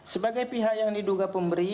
sebagai pihak yang diduga pemberi